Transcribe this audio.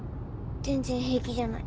全然平気じゃない。